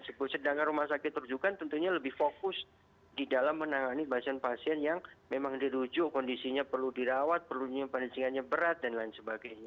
sedangkan rumah sakit rujukan tentunya lebih fokus di dalam menangani pasien pasien yang memang dirujuk kondisinya perlu dirawat perlucingannya berat dan lain sebagainya